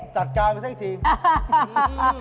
จัดการพี่ซ่ายทีม